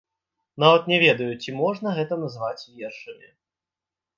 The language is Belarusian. Нават не ведаю, ці можна гэта называць вершамі.